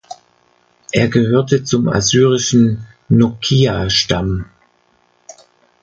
Er gehörte zum assyrischen Nochiya-Stamm.